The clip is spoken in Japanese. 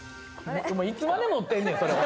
いつまで持ってんねんそれ。